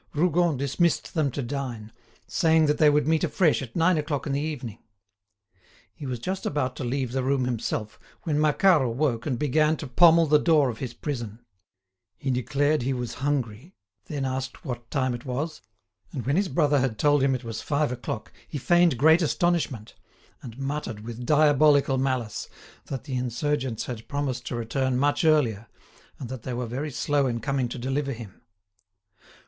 Rougon dismissed them to dine, saying that they would meet afresh at nine o'clock in the evening. He was just about to leave the room himself, when Macquart awoke and began to pommel the door of his prison. He declared he was hungry, then asked what time it was, and when his brother had told him it was five o'clock, he feigned great astonishment, and muttered, with diabolical malice, that the insurgents had promised to return much earlier, and that they were very slow in coming to deliver him.